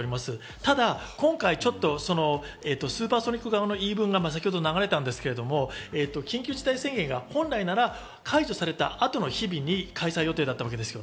ただ、今回、スーパーソニック側の言い分が先ほど流れましたが、緊急事態宣言が本来なら解除された後の日々に開催予定だったわけです。